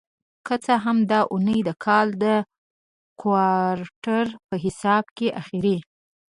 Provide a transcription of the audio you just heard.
که څه هم دا اونۍ د کال د کوارټر په حساب اخېری